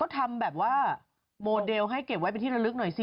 ทำแบบว่าโมเดลให้เก็บไว้เป็นที่ระลึกหน่อยสิ